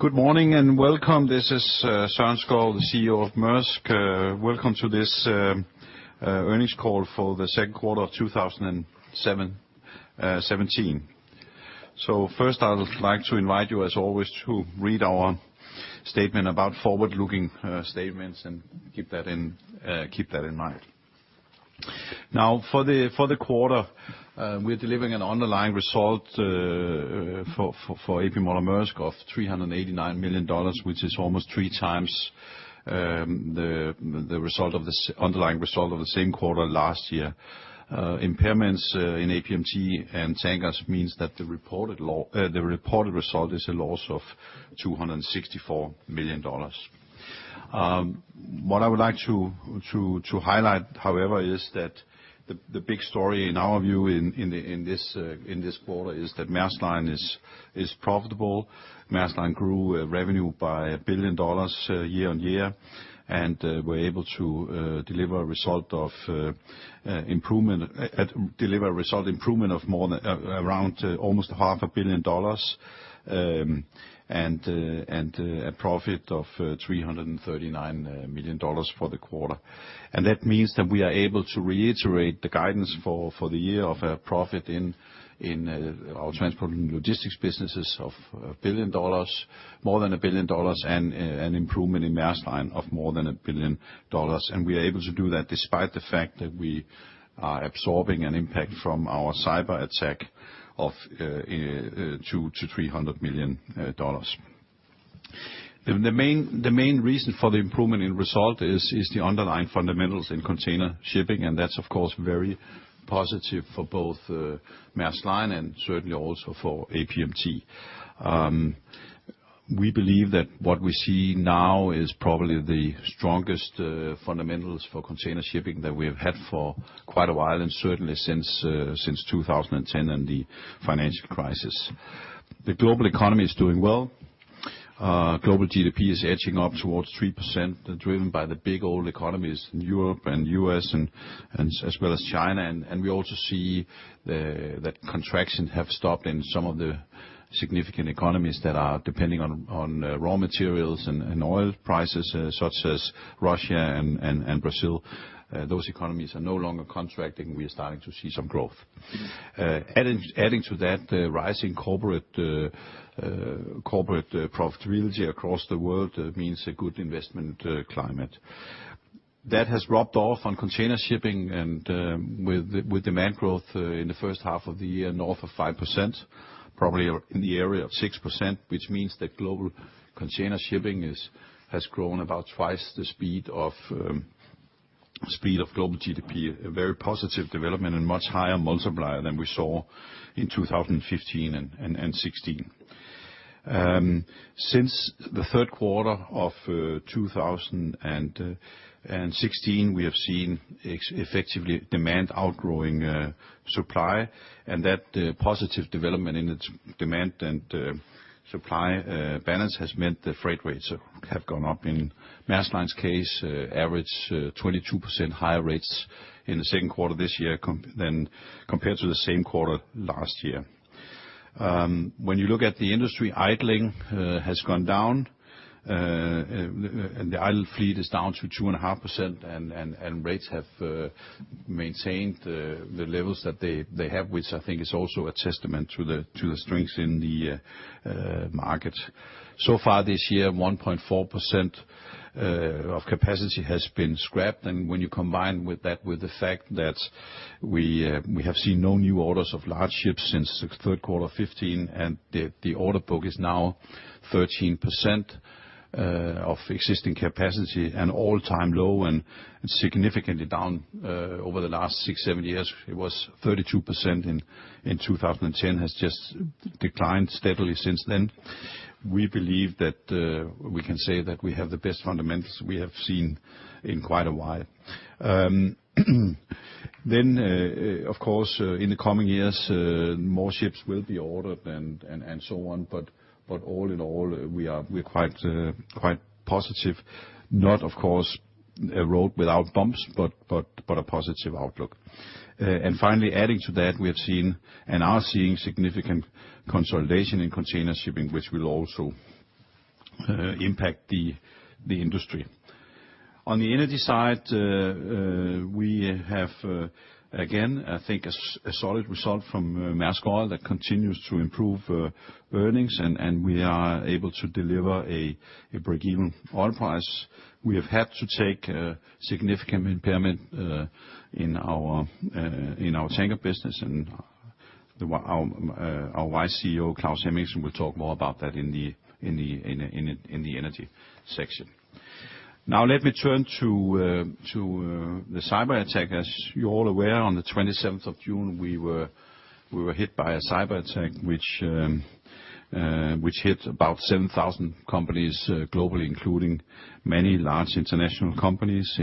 Good morning and welcome. This is Søren Skou, the CEO of Maersk. Welcome to this earnings call for the second quarter of 2017. First, I would like to invite you, as always, to read our statement about forward-looking statements and keep that in mind. Now, for the quarter, we're delivering an underlying result for A.P. Moller - Maersk of $389 million, which is almost three times the underlying result of the same quarter last year. Impairments in APMT and Tankers means that the reported result is a loss of $264 million. What I would like to highlight, however, is that the big story in our view in this quarter is that Maersk Line is profitable. Maersk Line grew revenue by $1 billion year-on-year, and we're able to deliver result improvement of more than around almost $0.50 billion and a profit of $339 million for the quarter. That means that we are able to reiterate the guidance for the year of a profit in our transport and logistics businesses of $1 billion, more than $1 billion, and an improvement in Maersk Line of more than $1 billion. We are able to do that despite the fact that we are absorbing an impact from our cyberattack of $200 million-$300 million. The main reason for the improvement in result is the underlying fundamentals in container shipping, and that's of course very positive for both Maersk Line and certainly also for APMT. We believe that what we see now is probably the strongest fundamentals for container shipping that we have had for quite a while, and certainly since 2010 and the financial crisis. The global economy is doing well. Global GDP is edging up towards 3%, driven by the big old economies in Europe and U.S., and as well as China. We also see that contractions have stopped in some of the significant economies that are depending on raw materials and oil prices, such as Russia and Brazil. Those economies are no longer contracting. We are starting to see some growth. Adding to that, the rising corporate profitability across the world means a good investment climate. That has rubbed off on container shipping and with demand growth in the first half of the year north of 5%, probably in the area of 6%, which means that global container shipping has grown about twice the speed of global GDP, a very positive development and much higher multiplier than we saw in 2015 and 2016. Since the third quarter of 2016, we have seen effectively demand outgrowing supply, and that positive development in its demand and supply balance has meant that freight rates have gone up. In Maersk Line's case, average 22% higher rates in the second quarter this year compared to the same quarter last year. When you look at the industry, idling has gone down. The idle fleet is down to 2.5%, and rates have maintained the levels that they have, which I think is also a testament to the strengths in the market. So far this year, 1.4% of capacity has been scrapped. When you combine that with the fact that we have seen no new orders of large ships since the third quarter of 2015, and the order book is now 13% of existing capacity, an all-time low and significantly down over the last six to seven years. It was 32% in 2010 and has just declined steadily since then. We believe that we can say that we have the best fundamentals we have seen in quite a while. Then, of course, in the coming years, more ships will be ordered and so on. All in all, we are quite positive. Not, of course, a road without bumps, but a positive outlook. Finally adding to that, we have seen and are seeing significant consolidation in container shipping, which will also impact the industry. On the energy side, we have again, I think a solid result from Maersk Oil that continues to improve earnings and we are able to deliver a break-even oil price. We have had to take a significant impairment in our tanker business and our Vice CEO, Claus Hemmingsen, will talk more about that in the energy section. Now let me turn to the cyberattack. As you're all aware, on the 27th of June, we were hit by a cyberattack which hit about 7,000 companies globally, including many large international companies.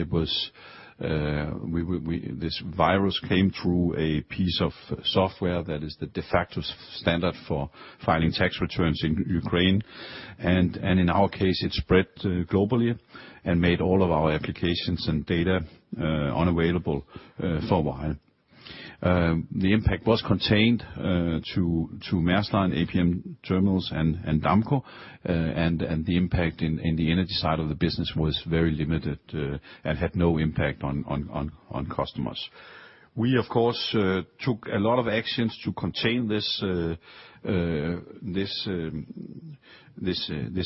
This virus came through a piece of software that is the de facto standard for filing tax returns in Ukraine. In our case, it spread globally and made all of our applications and data unavailable for a while. The impact was contained to Maersk Line, APM Terminals, and Damco. The impact in the energy side of the business was very limited and had no impact on customers. We, of course, took a lot of actions to contain this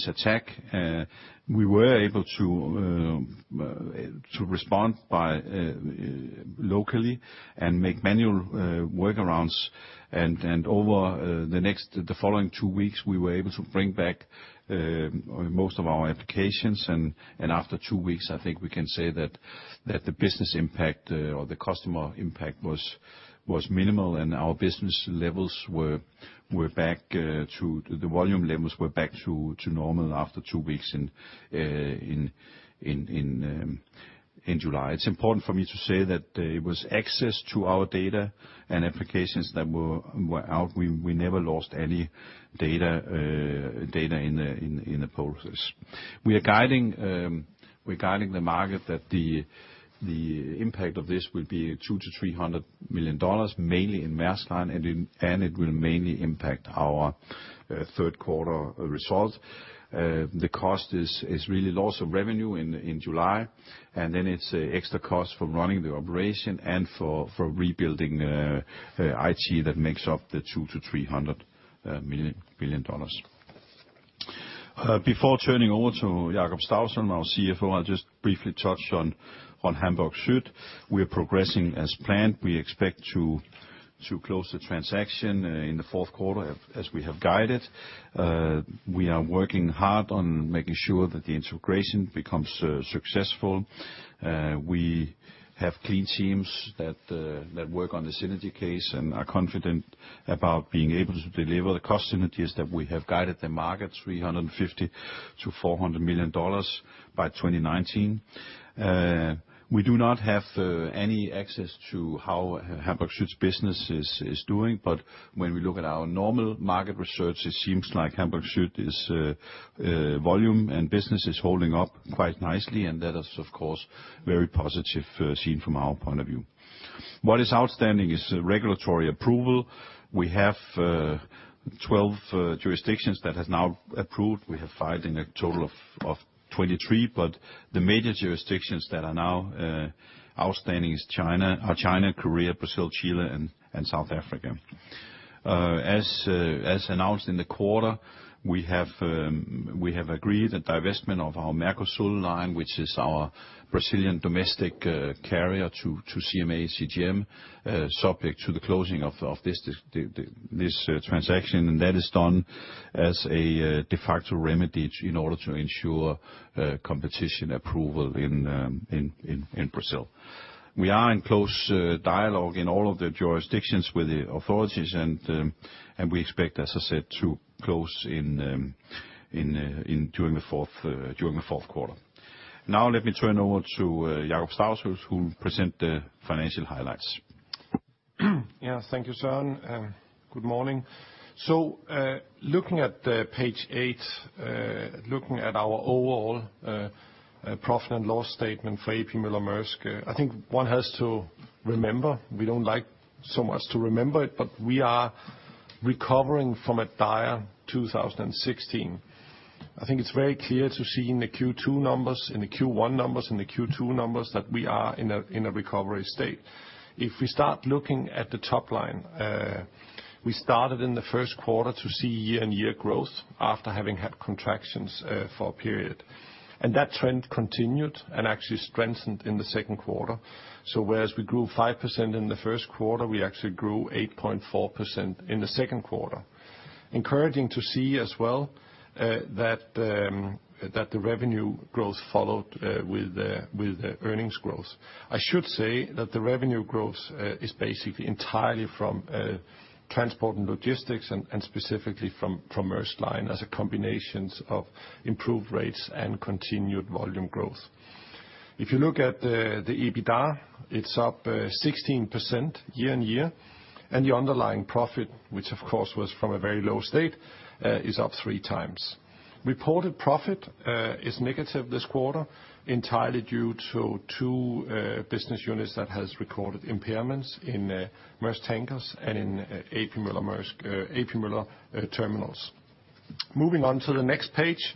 attack. We were able to respond locally and make manual workarounds. Over the following two weeks, we were able to bring back most of our applications. After two weeks, I think we can say that the business impact or the customer impact was minimal, and our business levels were back to, the volume levels were back to normal after two weeks in July. It's important for me to say that it was access to our data and applications that were out. We never lost any data in the process. We're guiding the market that the impact of this will be $200 million-$300 million, mainly in Maersk Line, and it will mainly impact our third quarter results. The cost is really loss of revenue in July, and then it's extra cost from running the operation and for rebuilding IT that makes up the $200 million-$300 million. Before turning over to Jakob Stausholm, our CFO, I'll just briefly touch on Hamburg Süd. We're progressing as planned. We expect to close the transaction in the fourth quarter as we have guided. We are working hard on making sure that the integration becomes successful. We have key teams that work on the synergy case and are confident about being able to deliver the cost synergies that we have guided the market, $350 million-$400 million by 2019. We do not have any access to how Hamburg Süd's business is doing. When we look at our normal market research, it seems like Hamburg Süd's volume and business is holding up quite nicely, and that is, of course, very positive, seen from our point of view. What is outstanding is regulatory approval. We have 12 jurisdictions that has now approved. We have filed in a total of 23, but the major jurisdictions that are now outstanding is China, Korea, Brazil, Chile, and South Africa. As announced in the quarter, we have agreed a divestment of our Mercosul Line, which is our Brazilian domestic carrier to CMA CGM, subject to the closing of this transaction. That is done as a de facto remedy in order to ensure competition approval in Brazil. We are in close dialogue in all of the jurisdictions with the authorities, and we expect, as I said, to close in during the fourth quarter. Now let me turn over to Jakob Stausholm, who will present the financial highlights. Yeah. Thank you, Søren. Good morning. Looking at page eight, looking at our overall profit and loss statement for A.P. Moller - Maersk, I think one has to remember, we don't like so much to remember it, but we are recovering from a dire 2016. I think it's very clear to see in the Q2 numbers, in the Q1 numbers and the Q2 numbers that we are in a recovery state. If we start looking at the top line, we started in the first quarter to see year-on-year growth after having had contractions for a period. That trend continued and actually strengthened in the second quarter. Whereas we grew 5% in the first quarter, we actually grew 8.4% in the second quarter. Encouraging to see as well, that the revenue growth followed with the earnings growth. I should say that the revenue growth is basically entirely from transport and logistics and specifically from Maersk Line as a combination of improved rates and continued volume growth. If you look at the EBITDA, it's up 16% year-on-year, and the underlying profit, which of course was from a very low state, is up three times. Reported profit is negative this quarter entirely due to two business units that has recorded impairments in Maersk Tankers and in APM Terminals. Moving on to the next page,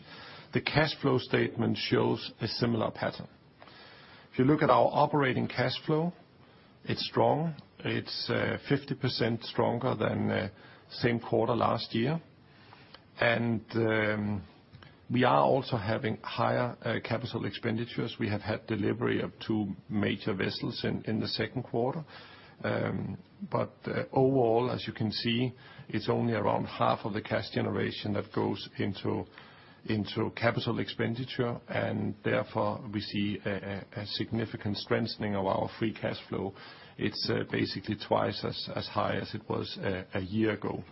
the cash flow statement shows a similar pattern. If you look at our operating cash flow, it's strong. It's 50% stronger than same quarter last year. We are also having higher capital expenditures. We have had delivery of two major vessels in the second quarter. Overall, as you can see, it's only around half of the cash generation that goes into capital expenditure, and therefore we see a significant strengthening of our free cash flow. It's basically twice as high as it was a year ago.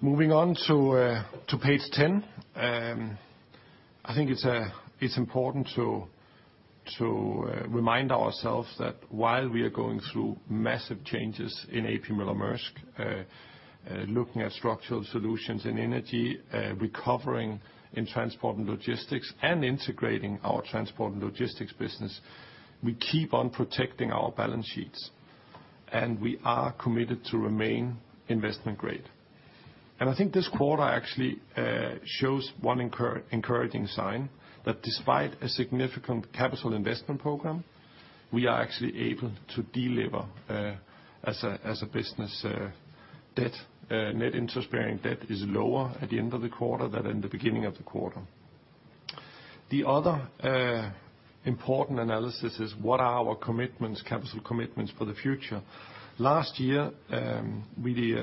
Moving on to page 10, I think it's important to remind ourselves that while we are going through massive changes in A.P. Moller - Maersk, looking at structural solutions in energy, recovering in transport and logistics and integrating our transport and logistics business, we keep on protecting our balance sheets, and we are committed to remain investment grade. I think this quarter actually shows one encouraging sign, that despite a significant capital investment program, we are actually able to deliver as a business. Net interest-bearing debt is lower at the end of the quarter than in the beginning of the quarter. The other important analysis is what are our commitments, capital commitments for the future. Last year, we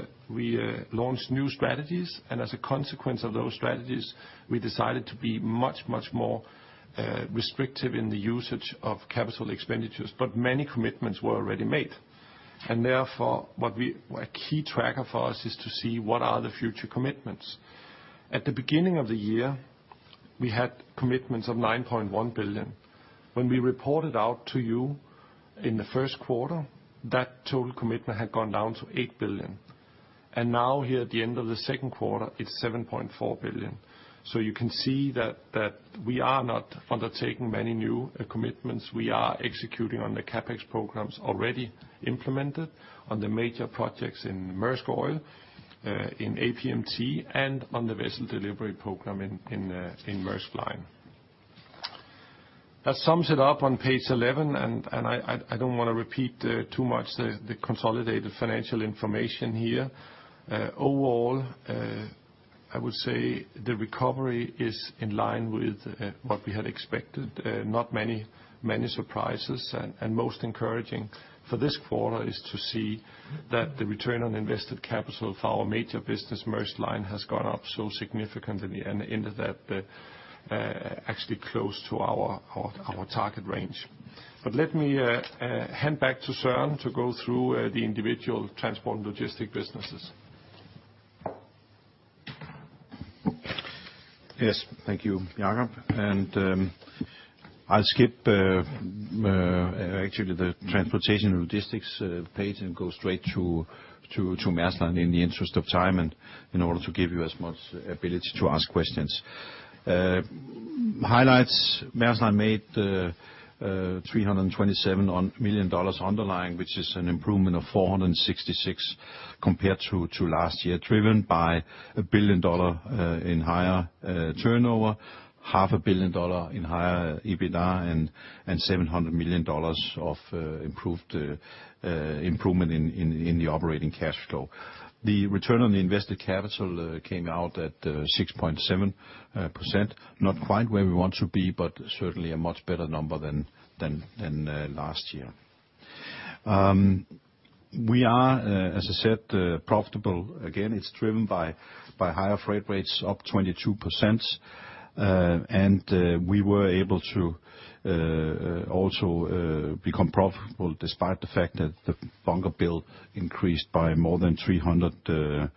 launched new strategies, and as a consequence of those strategies, we decided to be much, much more restrictive in the usage of capital expenditures. Many commitments were already made, and therefore, a key tracker for us is to see what are the future commitments. At the beginning of the year, we had commitments of $9.1 billion. When we reported out to you in the first quarter, that total commitment had gone down to $8 billion. Now here at the end of the second quarter, it's $7.4 billion. You can see that we are not undertaking many new commitments. We are executing on the CapEx programs already implemented on the major projects in Maersk Oil, in APMT, and on the vessel delivery program in Maersk Line. That sums it up on page 11. I don't wanna repeat too much, the consolidated financial information here. Overall, I would say the recovery is in line with what we had expected. Not many surprises. Most encouraging for this quarter is to see that the return on invested capital for our major business, Maersk Line, has gone up so significantly and ended up actually close to our target range. Let me hand back to Søren to go through the individual transport and logistics businesses. Yes. Thank you, Jakob. I'll skip actually the transportation and logistics page and go straight to Maersk Line in the interest of time and in order to give you as much ability to ask questions. Highlights, Maersk Line made $327 million underlying, which is an improvement of $466 million compared to last year, driven by $1 billion in higher turnover, $0.50 billion in higher EBITDA and $700 million of improvement in the operating cash flow. The return on the invested capital came out at 6.7%. Not quite where we want to be, but certainly a much better number than last year. We are, as I said, profitable. Again, it's driven by higher freight rates, up 22%. We were able to also become profitable despite the fact that the bunker bill increased by more than $300.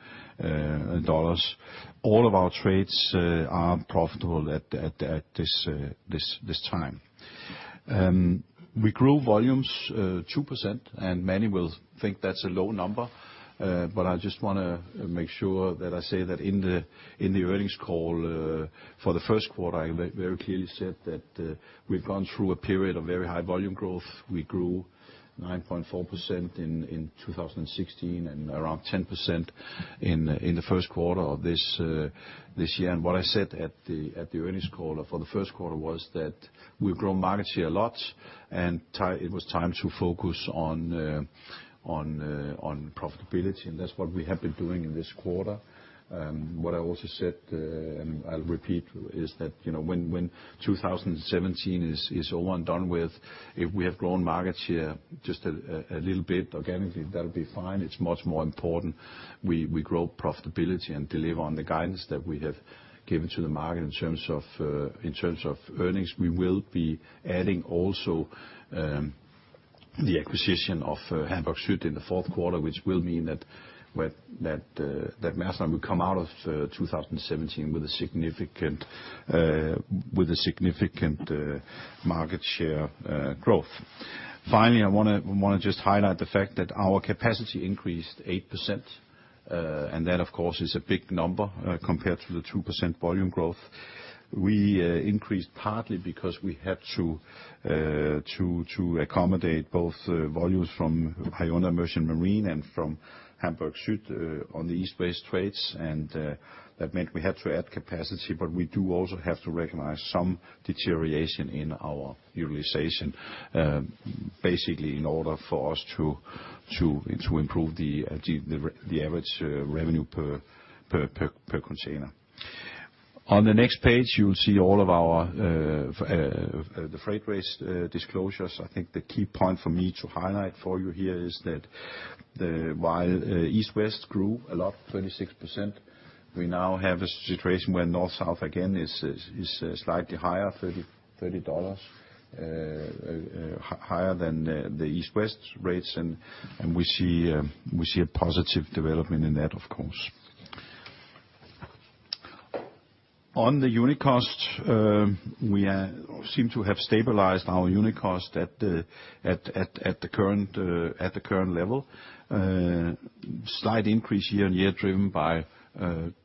All of our trades are profitable at this time. We grew volumes 2%, and many will think that's a low number. I just wanna make sure that I say that in the earnings call for the first quarter, I very clearly said that we've gone through a period of very high volume growth. We grew 9.4% in 2016 and around 10% in the first quarter of this year. What I said at the earnings call for the first quarter was that we've grown market share a lot, and it was time to focus on profitability, and that's what we have been doing in this quarter. What I also said, and I'll repeat, is that, you know, when 2017 is over and done with, if we have grown market share just a little bit organically, that'll be fine. It's much more important we grow profitability and deliver on the guidance that we have given to the market in terms of earnings. We will be adding also the acquisition of Hamburg Süd in the fourth quarter, which will mean that Maersk Line will come out of 2017 with a significant market share growth. Finally, I wanna just highlight the fact that our capacity increased 8%. That of course is a big number compared to the 2% volume growth. We increased partly because we had to accommodate both volumes from Hyundai Merchant Marine and from Hamburg Süd on the East-West trades. That meant we had to add capacity, but we do also have to recognize some deterioration in our utilization, basically in order for us to improve the average revenue per container. On the next page, you'll see all of our the freight rates disclosures. I think the key point for me to highlight for you here is that while East-West grew a lot, 26%, we now have a situation where North-South again is slightly higher, $30 higher than the East-West rates. We see a positive development in that, of course. On the unit cost, we seem to have stabilized our unit cost at the current level. Slight increase year-on-year driven by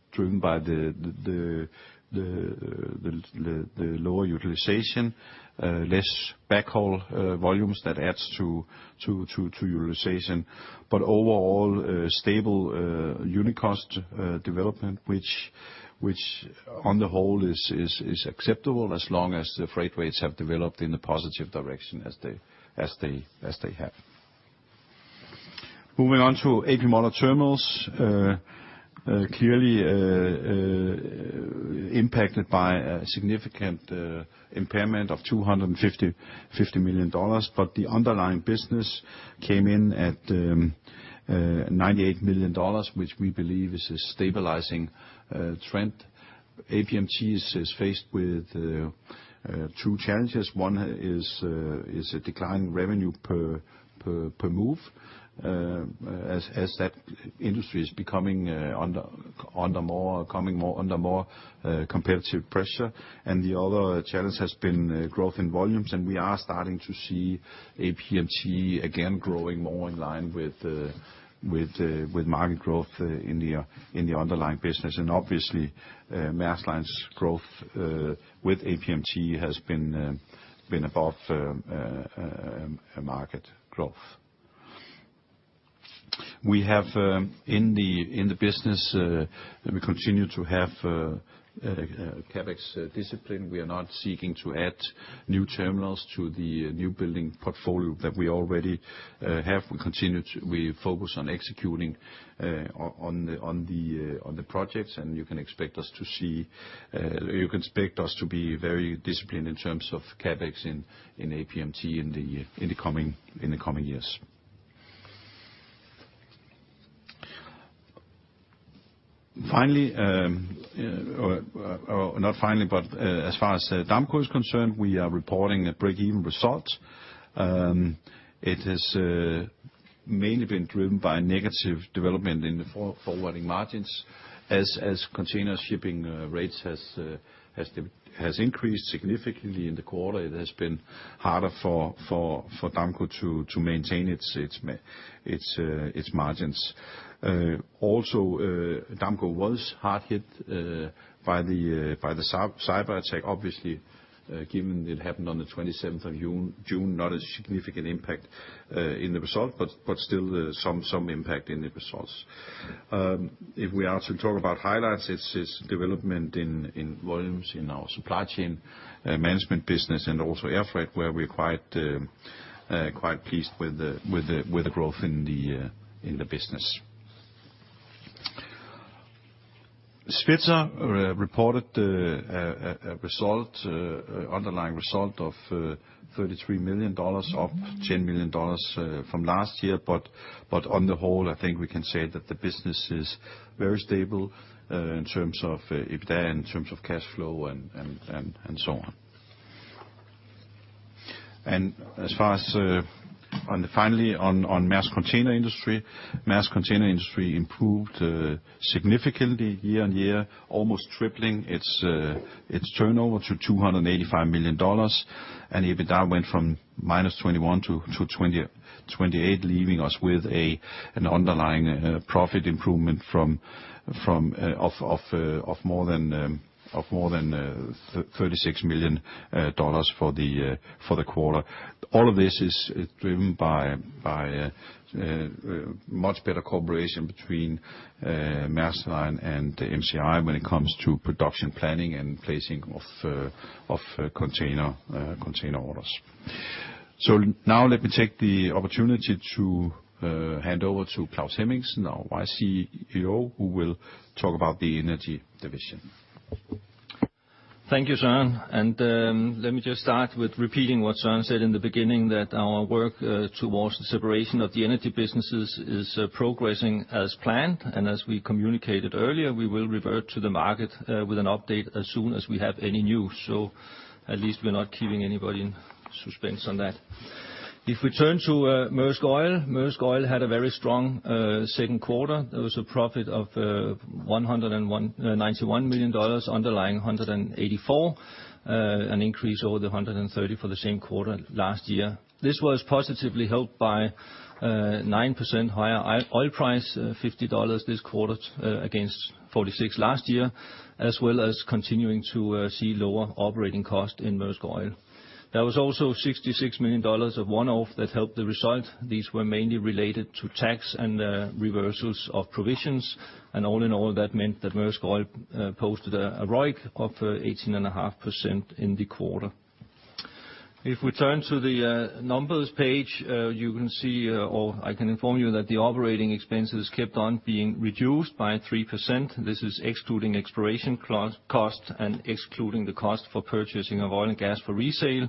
the lower utilization, less backhaul volumes that adds to utilization. Overall, stable unit cost development which on the whole is acceptable as long as the freight rates have developed in a positive direction as they have. Moving on to APM Terminals, clearly impacted by a significant impairment of $250 million. The underlying business came in at $98 million, which we believe is a stabilizing trend. APMT is faced with two challenges. One is a decline in revenue per move as that industry is coming under more competitive pressure. The other challenge has been growth in volumes, and we are starting to see APMT again growing more in line with market growth in the underlying business. Obviously, Maersk Line's growth with APMT has been above market growth. In the business, we continue to have CapEx discipline. We are not seeking to add new terminals to the new building portfolio that we already have. We focus on executing on the projects, and you can expect us to be very disciplined in terms of CapEx in APMT in the coming years. Finally, or not finally, but as far as Damco is concerned, we are reporting a break-even result. It has mainly been driven by negative development in the forwarding margins. As container shipping rates has increased significantly in the quarter, it has been harder for Damco to maintain its margins. Also, Damco was hard hit by the cyberattack. Obviously, given it happened on the 27th of June, not a significant impact in the result, but still, some impact in the results. If we are to talk about highlights, its development in volumes in our supply chain management business and also air freight, where we're quite pleased with the growth in the business. Svitzer reported an underlying result of $33 million, up $10 million from last year. On the whole, I think we can say that the business is very stable in terms of EBITDA, in terms of cash flow, and so on. Finally, on Maersk Container Industry, Maersk Container Industry improved significantly year-on-year, almost tripling its turnover to $285 million. EBITDA went from -$21 million to $28 million, leaving us with an underlying profit improvement of more than $36 million for the quarter. All of this is driven by much better cooperation between Maersk Line and MCI when it comes to production planning and placing of container orders. Now let me take the opportunity to hand over to Claus Hemmingsen, our Vice CEO, who will talk about the energy division. Thank you, Søren. Let me just start with repeating what Søren said in the beginning, that our work towards the separation of the energy businesses is progressing as planned. As we communicated earlier, we will revert to the market with an update as soon as we have any news. At least we're not keeping anybody in suspense on that. If we turn to Maersk Oil, Maersk Oil had a very strong second quarter. There was a profit of $191 million, underlying $184 million, an increase over the $130 million for the same quarter last year. This was positively helped by 9% higher oil price, $50 this quarter against $46 last year, as well as continuing to see lower operating costs in Maersk Oil. There was also $66 million of one-off that helped the result. These were mainly related to tax and reversals of provisions. All in all, that meant that Maersk Oil posted a ROIC of 18.5% in the quarter. If we turn to the numbers page, you can see, or I can inform you that the operating expenses kept on being reduced by 3%. This is excluding exploration cost and excluding the cost for purchasing of oil and gas for resale.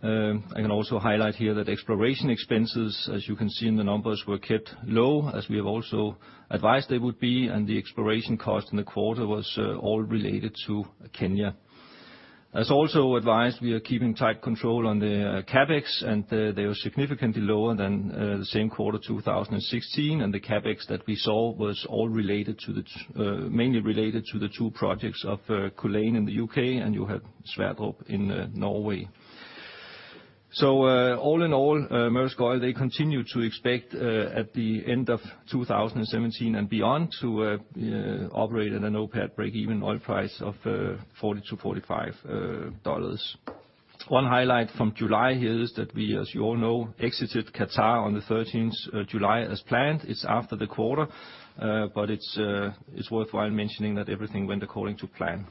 I can also highlight here that exploration expenses, as you can see in the numbers, were kept low, as we have also advised they would be, and the exploration cost in the quarter was all related to Kenya. As also advised, we are keeping tight control on the CapEx, and they were significantly lower than the same quarter 2016. The CapEx that we saw was all related to the two projects of Culzean in the U.K., and you have Johan Sverdrup in Norway. All in all, Maersk Oil they continue to expect at the end of 2017 and beyond to operate at an OpEx breakeven oil price of $40-$45. One highlight from July here is that we, as you all know, exited Qatar on the 13th of July as planned. It's after the quarter, but it's worthwhile mentioning that everything went according to plan.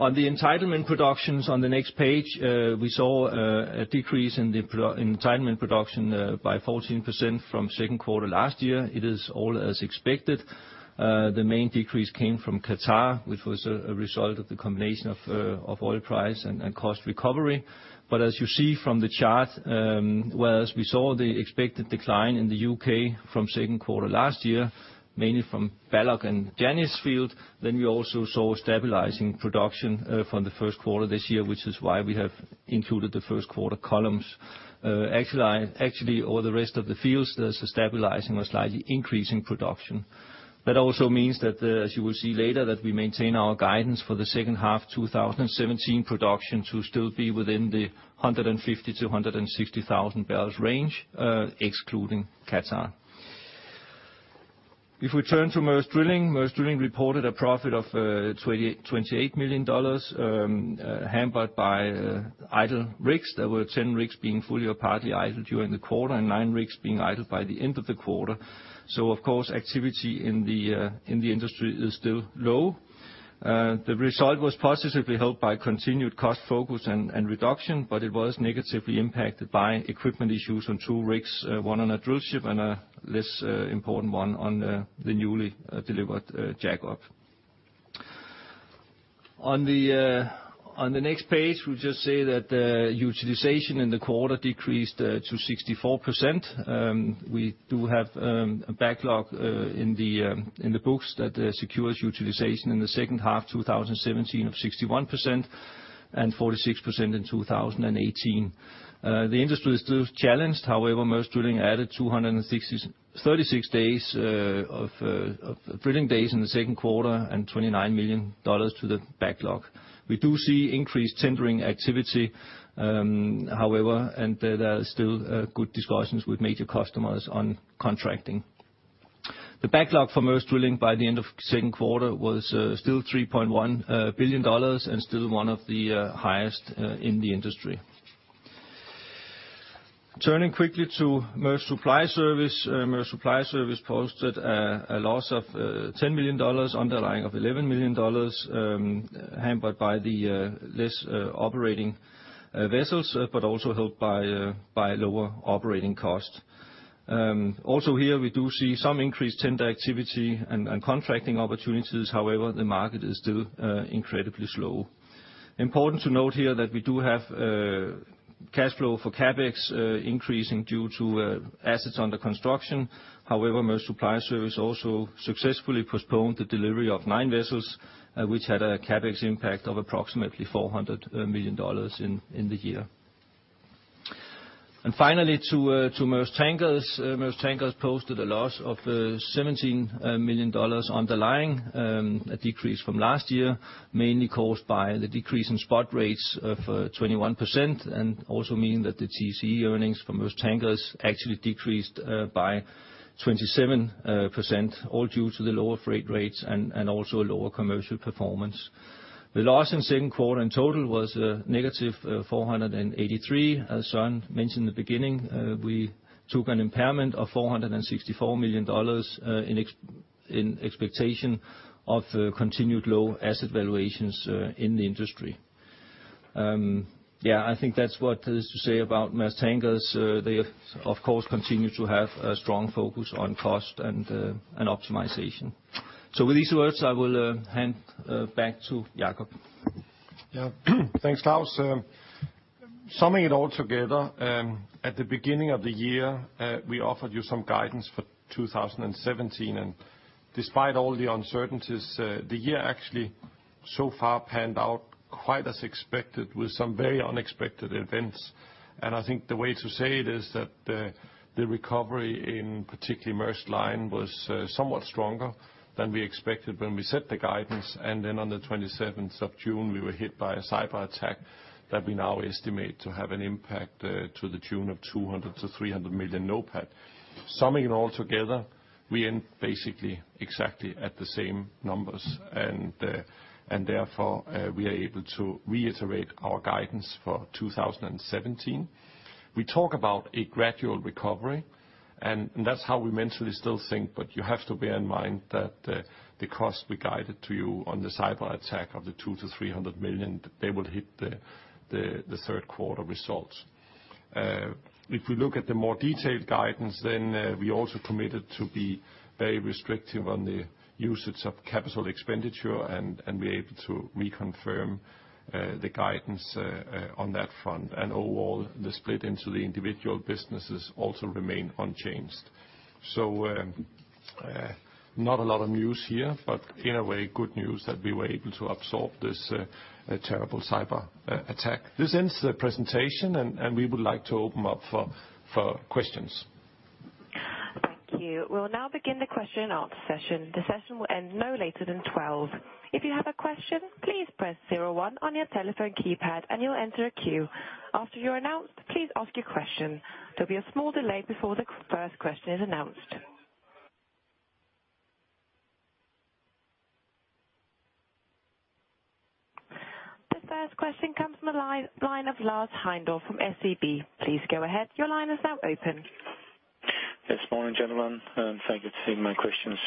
On the entitlement production on the next page, we saw a decrease in entitlement production by 14% from second quarter last year. It is all as expected. The main decrease came from Qatar, which was a result of the combination of oil price and cost recovery. As you see from the chart, whereas we saw the expected decline in the U.K. from second quarter last year, mainly from Balloch and Janice fields, we also saw stabilizing production from the first quarter this year, which is why we have included the first quarter columns. Actually, all the rest of the fields, there's a stabilizing or slightly increasing production. That also means that as you will see later, we maintain our guidance for the second half 2017 production to still be within the 150,000-160,000 bbl range, excluding Qatar. If we turn to Maersk Drilling, Maersk Drilling reported a profit of $28 million, hampered by idle rigs. There were 10 rigs being fully or partly idle during the quarter, and nine rigs being idled by the end of the quarter. Of course, activity in the industry is still low. The result was positively helped by continued cost focus and reduction, but it was negatively impacted by equipment issues on two rigs, one on a drill ship and a less important one on the newly delivered jackup. On the next page, we just say that the utilization in the quarter decreased to 64%. We do have a backlog in the books that secures utilization in the second half 2017 of 61% and 46% in 2018. The industry is still challenged. However, Maersk Drilling added 263 days of drilling days in the second quarter and $29 million to the backlog. We do see increased tendering activity, however, and there are still good discussions with major customers on contracting. The backlog for Maersk Drilling by the end of second quarter was still $3.1 billion and still one of the highest in the industry. Turning quickly to Maersk Supply Service. Maersk Supply Service posted a loss of $10 million underlying of $11 million, hampered by the less operating vessels, but also helped by lower operating costs. Also here, we do see some increased tender activity and contracting opportunities. However, the market is still incredibly slow. Important to note here that we do have cash flow for CapEx increasing due to assets under construction. However, Maersk Supply Service also successfully postponed the delivery of nine vessels, which had a CapEx impact of approximately $400 million in the year. Finally to Maersk Tankers. Maersk Tankers posted a loss of $17 million underlying, a decrease from last year, mainly caused by the decrease in spot rates of 21%, and also mean that the TCE earnings for Maersk Tankers actually decreased by 27%, all due to the lower freight rates and also lower commercial performance. The loss in second quarter in total was -$483 million. As Søren mentioned in the beginning, we took an impairment of $464 million in expectation of continued low asset valuations in the industry. Yeah, I think that's what is to say about Maersk Tankers. They of course continue to have a strong focus on cost and optimization. With these words, I will hand back to Jakob. Yeah. Thanks, Claus. Summing it all together, at the beginning of the year, we offered you some guidance for 2017, and despite all the uncertainties, the year actually so far panned out quite as expected with some very unexpected events. I think the way to say it is that the recovery in particularly Maersk Line was somewhat stronger than we expected when we set the guidance. Then on the 27th of June, we were hit by a cyberattack that we now estimate to have an impact to the tune of $200 million-$300 million NOPAT. Summing it all together, we end basically exactly at the same numbers, and therefore we are able to reiterate our guidance for 2017. We talk about a gradual recovery, and that's how we mentally still think. But you have to bear in mind that the cost we guided to you on the cyberattack of $200 million-$300 million, they will hit the third quarter results. If we look at the more detailed guidance, then we also committed to be very restrictive on the usage of capital expenditure, and we're able to reconfirm the guidance on that front. Overall, the split into the individual businesses also remain unchanged. Not a lot of news here, but in a way good news that we were able to absorb this terrible cyberattack. This ends the presentation, and we would like to open up for questions. Thank you. We'll now begin the question and answer session. The session will end no later than 12:00 PM. If you have a question, please press zero one on your telephone keypad and you'll enter a queue. After you're announced, please ask your question. There'll be a small delay before the first question is announced. The first question comes from the line of Lars Heindorff from SEB. Please go ahead. Your line is now open. Yes. Morning, gentlemen, and thank you for taking my questions.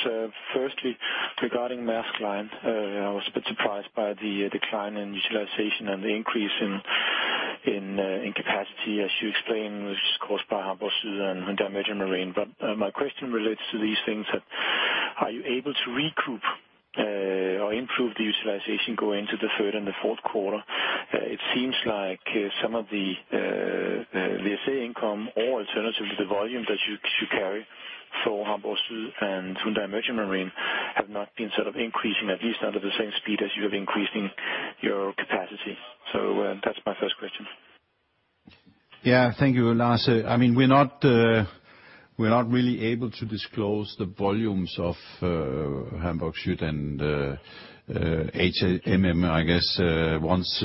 Firstly, regarding Maersk Line, I was a bit surprised by the decline in utilization and the increase in capacity, as you explained was caused by Hamburg Süd and Hyundai Merchant Marine. My question relates to these things that, are you able to recoup or improve the utilization going into the third and the fourth quarter? It seems like some of the VSA income, or alternatively, the volume that you carry for Hamburg Süd and Hyundai Merchant Marine have not been sort of increasing, at least under the same speed as you have increasing your capacity. That's my first question. Yeah. Thank you, Lars. I mean, we're not really able to disclose the volumes of Hamburg Süd and HMM. I guess once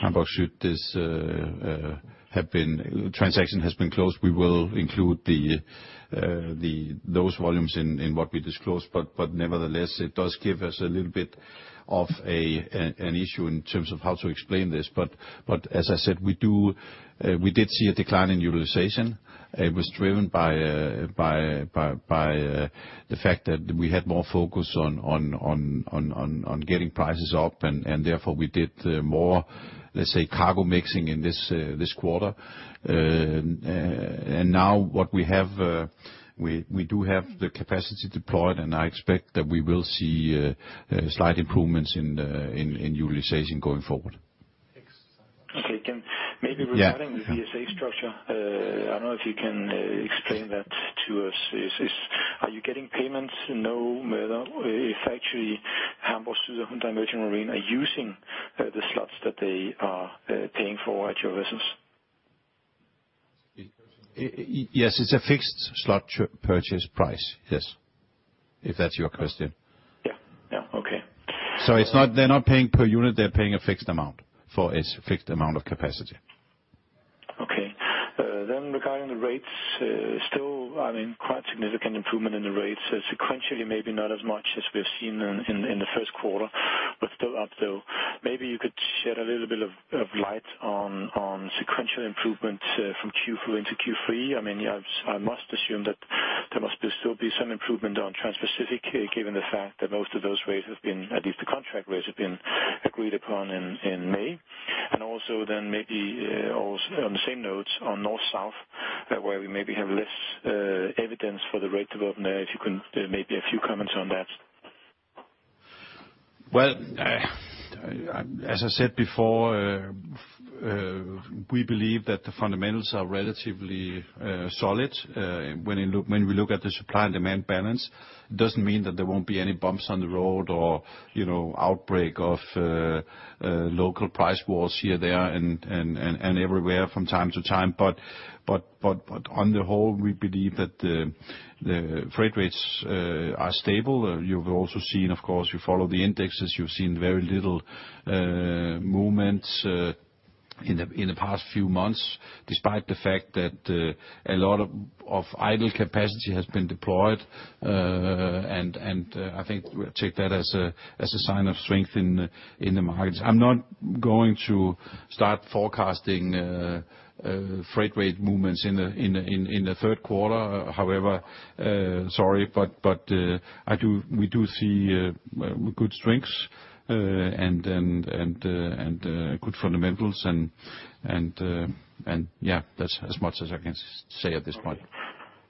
Hamburg Süd transaction has been closed, we will include those volumes in what we disclose. Nevertheless, it does give us a little bit of an issue in terms of how to explain this. As I said, we did see a decline in utilization. It was driven by the fact that we had more focus on getting prices up and therefore we did more, let's say, cargo mixing in this quarter. Now what we have, we do have the capacity deployed, and I expect that we will see slight improvements in utilization going forward. Okay. Can maybe regarding. Yeah. The VSA structure, I don't know if you can explain that to us. Are you getting payments now, whether it's actually Hamburg Süd or Hyundai Merchant Marine are using the slots that they are paying for at your business? Yes. It's a fixed slot purchase price. Yes. If that's your question. Yeah. Yeah. Okay. It's not, they're not paying per unit. They're paying a fixed amount for its fixed amount of capacity. Okay. Then regarding the rates, still, I mean, quite significant improvement in the rates. Sequentially, maybe not as much as we've seen in the first quarter, but still up, though. Maybe you could shed a little bit of light on sequential improvements from Q4 into Q3. I mean, I must assume that there must still be some improvement on Transpacific, given the fact that most of those rates, at least the contract rates, have been agreed upon in May. Also then maybe on the same notes on North-South, where we maybe have less evidence for the rate development, if you can, maybe a few comments on that. Well, as I said before, we believe that the fundamentals are relatively solid when we look at the supply and demand balance. It doesn't mean that there won't be any bumps on the road or, you know, outbreak of local price wars here, there, and everywhere from time to time. On the whole, we believe that the freight rates are stable. You've also seen, of course, you follow the indexes. You've seen very little movements in the past few months, despite the fact that a lot of idle capacity has been deployed. I think we take that as a sign of strength in the markets. I'm not going to start forecasting freight rate movements in the third quarter, however. Sorry, but we do see good strengths and good fundamentals and yeah, that's as much as I can say at this point.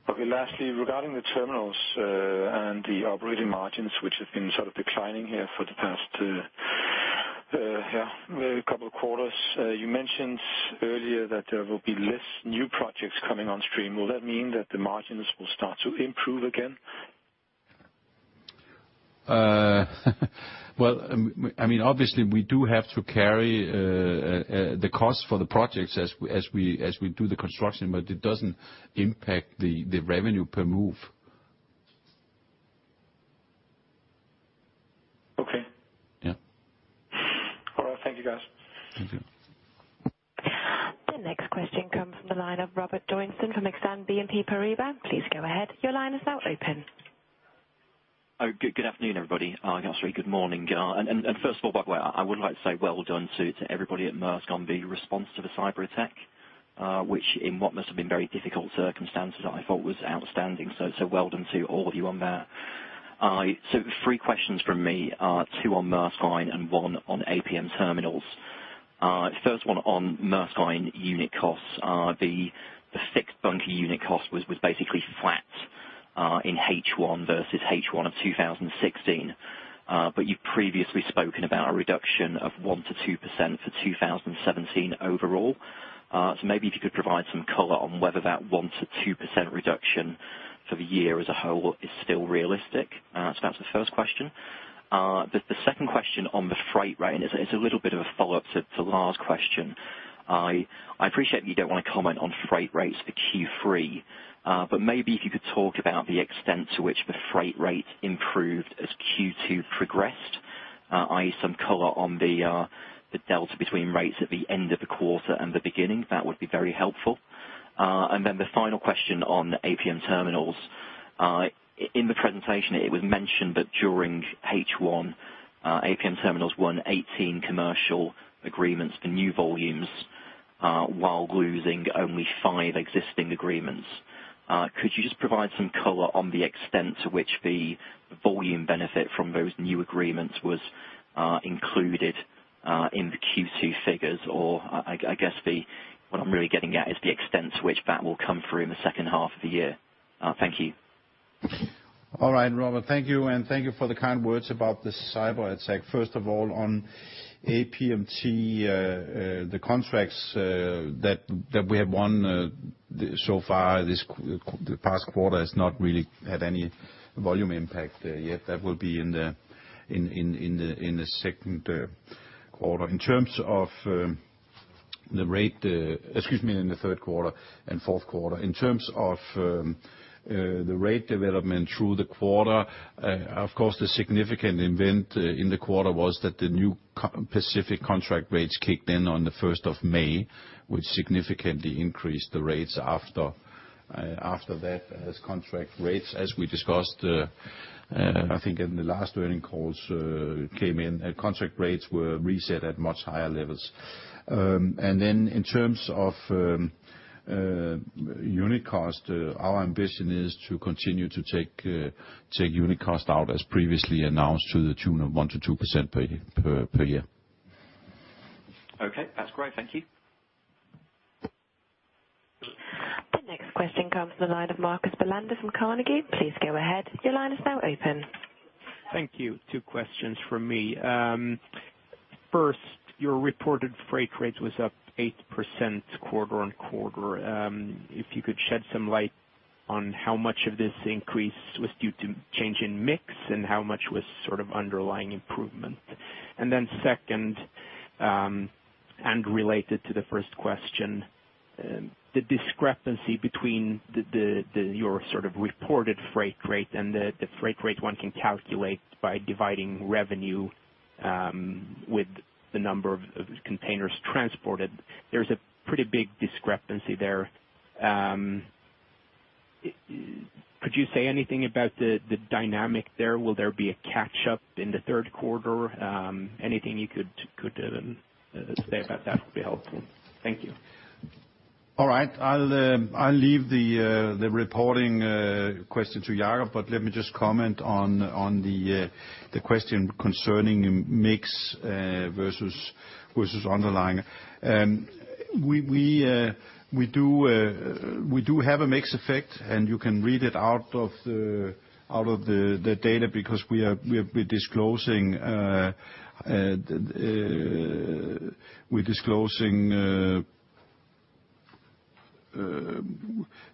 Okay. Lastly, regarding the terminals, and the operating margins, which have been sort of declining here for the past, yeah, couple quarters. You mentioned earlier that there will be less new projects coming on stream. Will that mean that the margins will start to improve again? Well, I mean, obviously we do have to carry the costs for the projects as we do the construction, but it doesn't impact the revenue per move. Okay. Yeah. All right. Thank you, guys. Thank you. The next question comes from the line of Robert Joynson from Exane BNP Paribas. Please go ahead. Your line is now open. Good afternoon, everybody. I guess very good morning. First of all, by the way, I would like to say well done to everybody at Maersk on the response to the cyberattack, which in what must have been very difficult circumstances, I thought was outstanding. Well done to all of you there. Three questions from me, two on Maersk Line and one on APM Terminals. First one on Maersk Line unit costs. The fixed bunker unit cost was basically flat in H1 versus H1 of 2016. You've previously spoken about a reduction of 1%-2% for 2017 overall. Maybe if you could provide some color on whether that 1%-2% reduction for the year as a whole is still realistic. That's the first question. The second question on the freight rate, and it's a little bit of a follow-up to Lars' question. I appreciate you don't wanna comment on freight rates for Q3, but maybe if you could talk about the extent to which the freight rate improved as Q2 progressed, i.e., some color on the delta between rates at the end of the quarter and the beginning, that would be very helpful. The final question on APM Terminals. In the presentation, it was mentioned that during H1, APM Terminals won 18 commercial agreements for new volumes, while losing only five existing agreements. Could you just provide some color on the extent to which the volume benefit from those new agreements was included in the Q2 figures? I guess what I'm really getting at is the extent to which that will come through in the second half of the year. Thank you. All right, Robert, thank you, and thank you for the kind words about this cyberattack. First of all, on APMT, the contracts that we have won so far, the past quarter has not really had any volume impact yet. That will be in the second quarter. In terms of the rate, excuse me, in the third quarter and fourth quarter. In terms of the rate development through the quarter, of course, the significant event in the quarter was that the new Transpacific contract rates kicked in on the first of May, which significantly increased the rates after that, as contract rates, as we discussed, I think in the last earnings calls, came in. Contract rates were reset at much higher levels. In terms of unit cost, our ambition is to continue to take unit cost out as previously announced to the tune of 1%-2% per year. Okay, that's great. Thank you. The next question comes from the line of Marcus Bellander from Carnegie. Please go ahead. Your line is now open. Thank you. Two questions from me. First, your reported freight rate was up 8% quarter-on-quarter. If you could shed some light on how much of this increase was due to change in mix and how much was sort of underlying improvement. Second, and related to the first question, the discrepancy between your sort of reported freight rate and the freight rate one can calculate by dividing revenue with the number of containers transported. There's a pretty big discrepancy there. Could you say anything about the dynamic there? Will there be a catch up in the third quarter? Anything you could say about that would be helpful. Thank you. All right. I'll leave the reporting question to Jakob, but let me just comment on the question concerning mix versus underlying. We do have a mix effect, and you can read it out of the data, because we are disclosing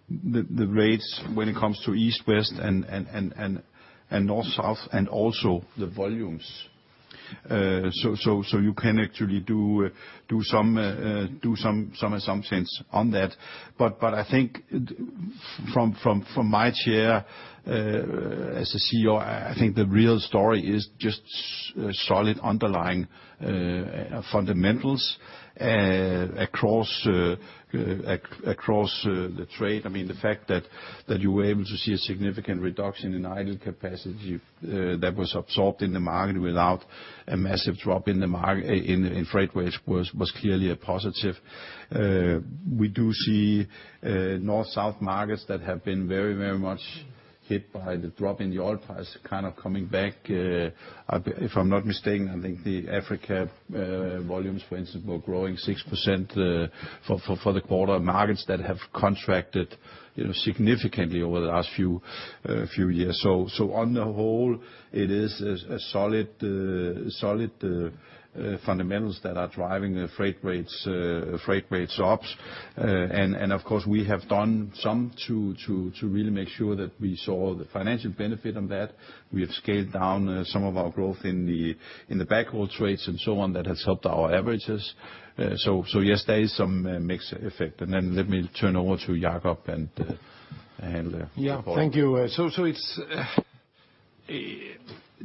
the rates when it comes to East-West and North-South, and also the volumes. You can actually do some assumptions on that. I think from my chair as a CEO, I think the real story is just solid underlying fundamentals across the trade. I mean, the fact that you were able to see a significant reduction in idle capacity that was absorbed in the market without a massive drop in the market in freight rates was clearly a positive. We do see North-South markets that have been very much hit by the drop in the oil price kind of coming back. If I'm not mistaken, I think the Africa volumes, for instance, were growing 6% for the quarter. Markets that have contracted, you know, significantly over the last few years. On the whole, it is a solid fundamentals that are driving the freight rates up. Of course, we have done some to really make sure that we saw the financial benefit on that. We have scaled down some of our growth in the backhaul trades and so on, that has helped our averages. Yes, there is some mix effect. Let me turn over to Jakob and handle. Yeah. Thank you. So, it's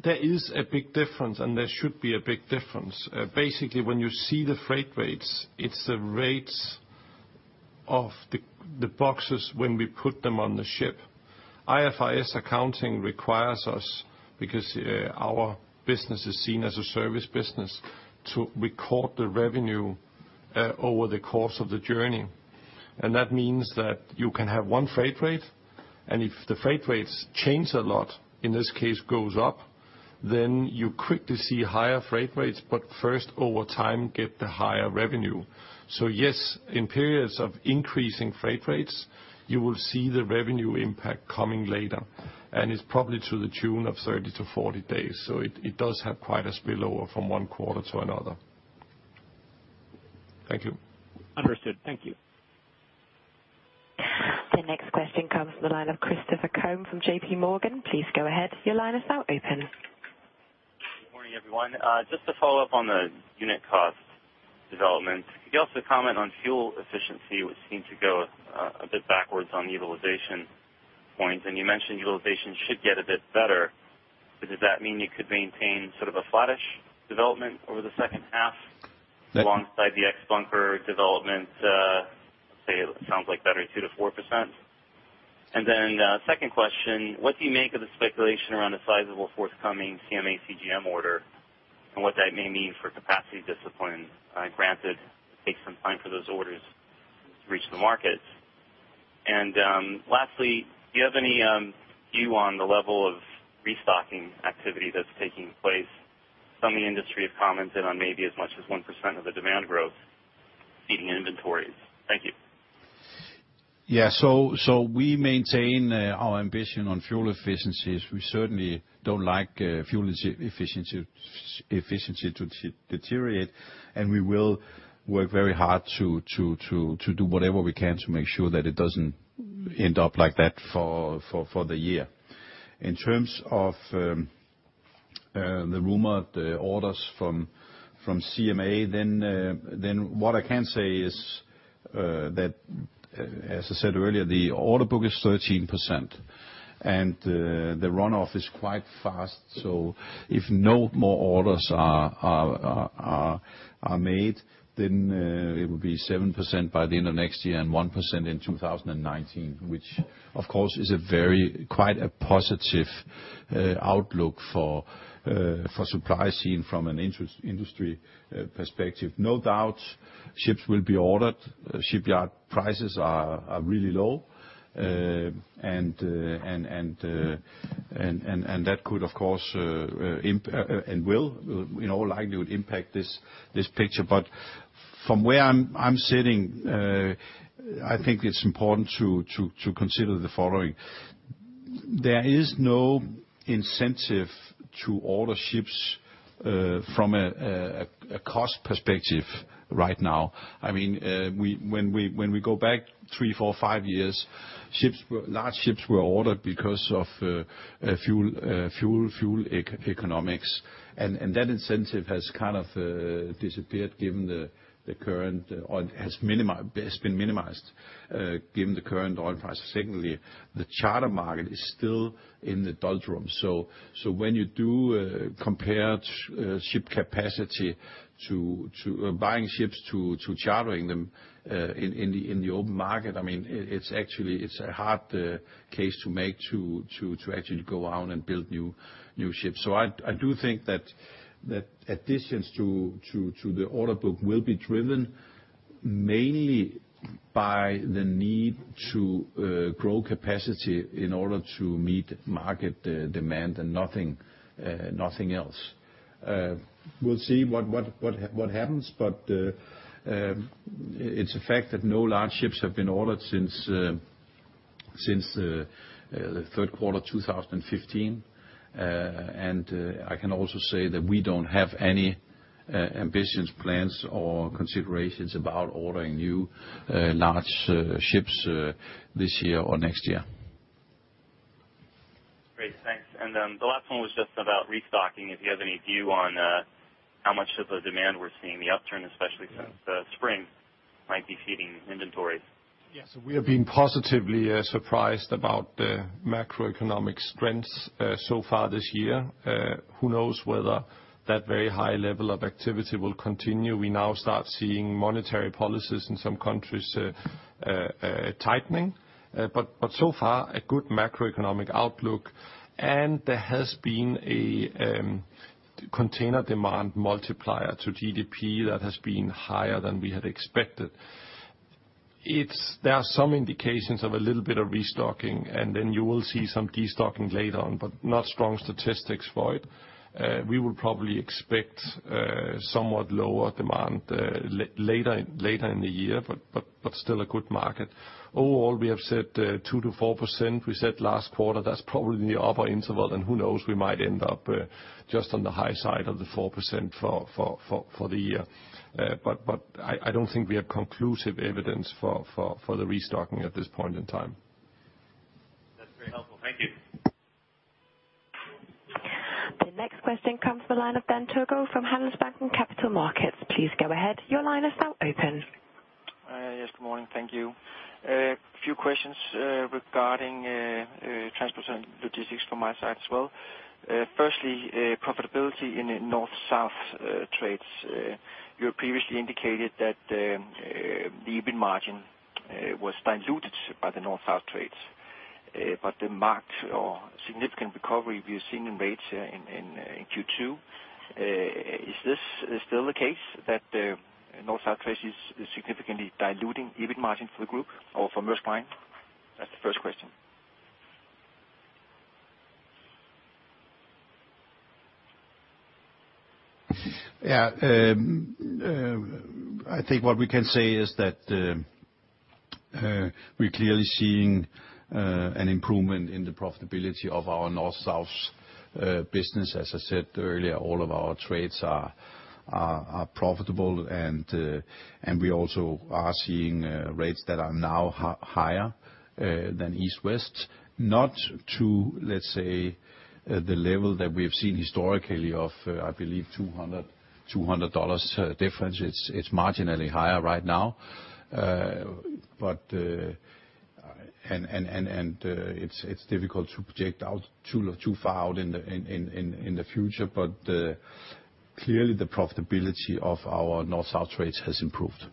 there is a big difference, and there should be a big difference. Basically, when you see the freight rates, it's the rates of the boxes when we put them on the ship. IFRS accounting requires us, because our business is seen as a service business, to record the revenue over the course of the journey. That means that you can have one freight rate, and if the freight rates change a lot, in this case, goes up, then you quickly see higher freight rates, but first, over time, get the higher revenue. Yes, in periods of increasing freight rates, you will see the revenue impact coming later, and it's probably to the tune of 30-40 days. It does have quite a spillover from one quarter to another. Thank you. Understood. Thank you. The next question comes from the line of Christopher Combe from JPMorgan. Please go ahead. Your line is now open. Good morning, everyone. Just to follow up on the unit cost development. Could you also comment on fuel efficiency, which seemed to go a bit backwards on utilization points? You mentioned utilization should get a bit better. Does that mean you could maintain sort of a flattish development over the second half alongside the ex-bunker development, say, it sounds like better 2%-4%? Second question, what do you make of the speculation around a sizable forthcoming CMA CGM order, and what that may mean for capacity discipline, granted it takes some time for those orders to reach the market? Lastly, do you have any view on the level of restocking activity that's taking place? Some in the industry have commented on maybe as much as 1% of the demand growth feeding inventories. Thank you. Yeah. We maintain our ambition on fuel efficiencies. We certainly don't like fuel efficiency to deteriorate, and we will work very hard to do whatever we can to make sure that it doesn't end up like that for the year. In terms of the rumored orders from CMA, what I can say is that as I said earlier, the order book is 13%, and the runoff is quite fast. If no more orders are made, it will be 7% by the end of next year and 1% in 2019, which of course is a very positive outlook for supply seen from an industry perspective. No doubt ships will be ordered. Shipyard prices are really low. That could, of course, and will, in all likelihood, impact this picture. From where I'm sitting, I think it's important to consider the following. There is no incentive to order ships from a cost perspective right now. I mean, when we go back three, four, five years, large ships were ordered because of fuel economics, and that incentive has kind of disappeared given the current or has been minimized given the current oil prices. Secondly, the charter market is still in the doldrums. When you do compare ship capacity to buying ships to chartering them in the open market, I mean, it's actually a hard case to make to actually go out and build new ships. I do think that additions to the order book will be driven mainly by the need to grow capacity in order to meet market demand and nothing else. We'll see what happens, but it's a fact that no large ships have been ordered since the third quarter 2015. I can also say that we don't have any ambitions, plans, or considerations about ordering new large ships this year or next year. Great. Thanks. Then the last one was just about restocking. If you have any view on how much of the demand we're seeing, the upturn especially since the spring might be feeding inventories? Yes. We have been positively surprised about the macroeconomic strengths so far this year. Who knows whether that very high level of activity will continue. We now start seeing monetary policies in some countries tightening. So far, a good macroeconomic outlook, and there has been a container demand multiplier to GDP that has been higher than we had expected. There are some indications of a little bit of restocking, and then you will see some destocking later on, but not strong statistics for it. We will probably expect somewhat lower demand later in the year, still a good market. Overall, we have said 2%-4%. We said last quarter that's probably in the upper interval, and who knows, we might end up just on the high side of the 4% for the year. I don't think we have conclusive evidence for the restocking at this point in time. That's very helpful. Thank you. The next question comes from the line of Dan Togo from Handelsbanken Capital Markets. Please go ahead. Your line is now open. Yes, good morning. Thank you. A few questions regarding transport and logistics from my side as well. Firstly, profitability in North-South trades. You previously indicated that the EBIT margin was diluted by the North-South trades, but the marked or significant recovery we've seen in rates in Q2. Is this still the case that the North-South trades is significantly diluting EBIT margin for the group or for Maersk Line? That's the first question. Yeah. I think what we can say is that we're clearly seeing an improvement in the profitability of our North-South business. As I said earlier, all of our trades are profitable and we also are seeing rates that are now higher than East-West. Not to, let's say, the level that we have seen historically of I believe $200 difference. It's marginally higher right now. But it's difficult to project out too far out in the future, but clearly the profitability of our North-South trades has improved.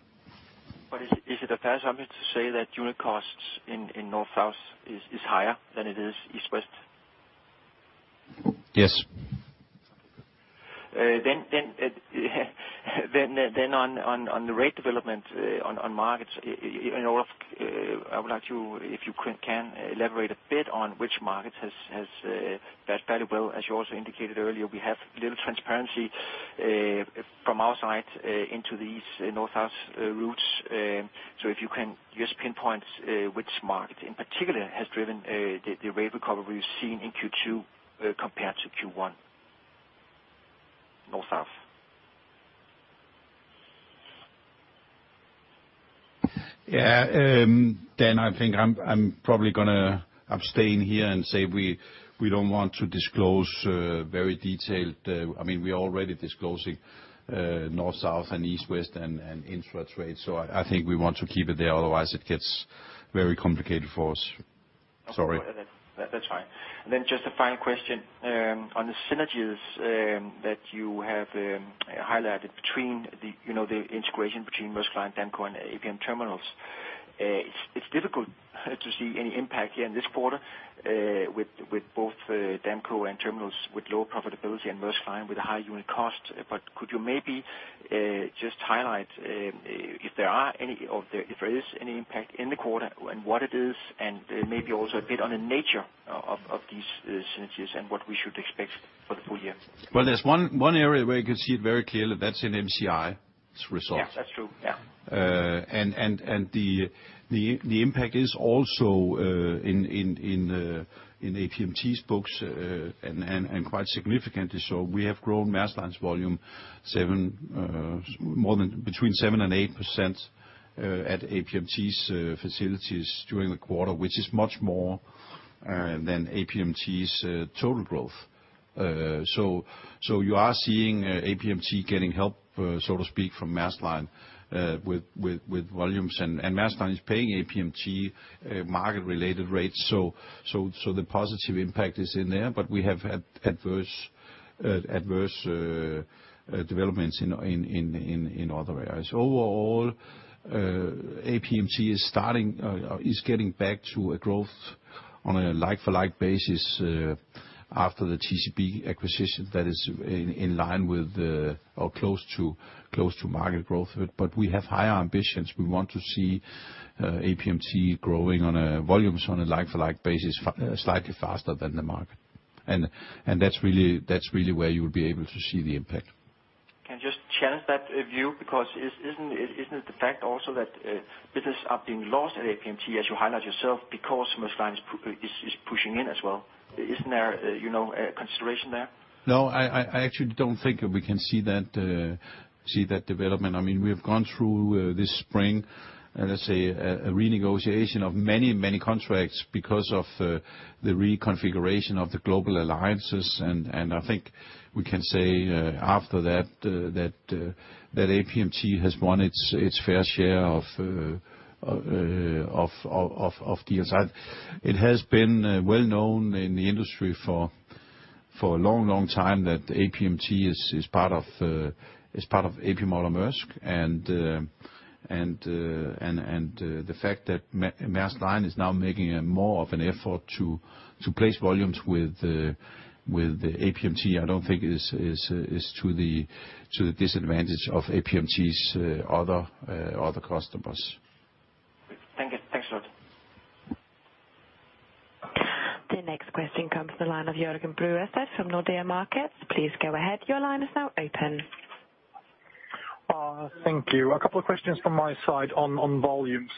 Is it a fair summary to say that unit costs in North-South is higher than it is East-West? Yes. On the rate development on markets, I would like you, if you can, elaborate a bit on which markets has done fairly well. As you also indicated earlier, we have little transparency from our side into these North-South routes. If you can just pinpoint which market in particular has driven the rate recovery we've seen in Q2 compared to Q1 North-South. Yeah, Dan, I think I'm probably gonna abstain here and say we don't want to disclose very detailed. I mean, we are already disclosing North-South and East-West and intra-trade, so I think we want to keep it there, otherwise it gets very complicated for us. Sorry. Okay. That's fine. Then just a final question on the synergies that you have highlighted between the, you know, the integration between Maersk Line, Damco, and APM Terminals. It's difficult to see any impact here in this quarter, with both Damco and Terminals with lower profitability and Maersk Line with higher unit costs. But could you maybe just highlight if there are any, or if there is any impact in the quarter and what it is, and maybe also a bit on the nature of these synergies and what we should expect for the full year? Well, there's one area where you can see it very clearly. That's in MCI's results. Yes, that's true. Yeah. The impact is also in APMT's books and quite significantly so. We have grown Maersk Line's volume between 7% and 8% at APMT's facilities during the quarter, which is much more than APMT's total growth. You are seeing APMT getting help, so to speak, from Maersk Line with volumes. Maersk Line is paying APMT market-related rates, so the positive impact is in there, but we have had adverse developments in other areas. Overall, APMT is getting back to a growth on a like for like basis after the TCB acquisition that is in line with the, or close to market growth. We have higher ambitions. We want to see APMT growing on volumes on a like for like basis slightly faster than the market. That's really where you will be able to see the impact. Can I just challenge that view? Because isn't it the fact also that business are being lost at APMT, as you highlight yourself, because Maersk Line is pushing in as well? Isn't there, you know, a consideration there? No, I actually don't think we can see that development. I mean, we have gone through this spring, let's say, a renegotiation of many contracts because of the reconfiguration of the global alliances. I think we can say after that that APMT has won its fair share of. It has been well known in the industry for a long time that APMT is part of A.P. Moller - Maersk. The fact that Maersk Line is now making more of an effort to place volumes with APMT, I don't think is to the disadvantage of APMT's other customers. Thank you. Thanks a lot. The next question comes from the line of Jørgen Bruaset from Nordea Markets. Please go ahead. Your line is now open. Thank you. A couple of questions from my side on volumes.